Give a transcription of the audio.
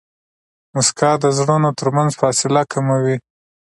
موسکا د زړونو ترمنځ فاصله کموي.